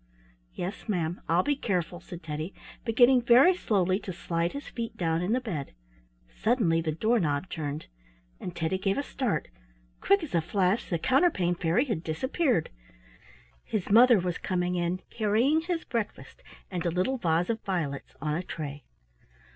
"Yes, ma'am, I'll be careful," said Teddy, beginning very slowly to slide his feet down in the bed. Suddenly, the door knob turned, and Teddy gave a start; —quick as a flash the Counterpane Fairy had disappeared. His mother was coming in carrying his breakfast and a little vase of violets on a tray.